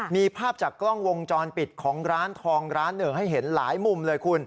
มีภาพจากกล้องวงจรปิดของร้านทองร้านหนึ่งให้เห็นหลายมุมเลยคุณ